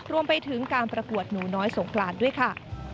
รวมไปถึงการประกวดหนูน้อยสงกรานด้วยค่ะ